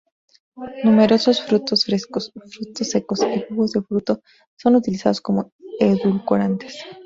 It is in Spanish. Numerosos frutos frescos, frutos secos y jugos de frutos son utilizados como edulcorantes.